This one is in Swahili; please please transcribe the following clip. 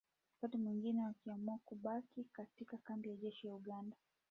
huku wengine wakiamua kubaki katika kambi ya jeshi la Uganda ya